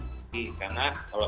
dan juga partner media